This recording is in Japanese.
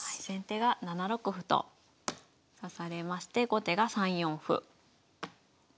先手が７六歩と指されまして後手が３四歩。